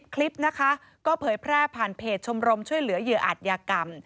คลิปนะคะก็เผยแพร่ผ่านเพจชมรมช่วยเหลือเหยื่ออาจยากรรม